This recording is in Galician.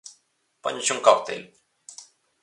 _¿Póñoche un cocktail?